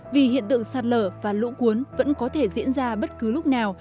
vì hiện tượng sạt lở và lũ cuốn vẫn có thể diễn ra bất cứ lúc nào